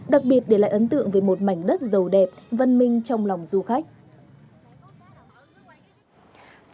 đặc biệt để lại ấn tượng về một mảnh đất giàu đẹp văn minh trong lòng du khách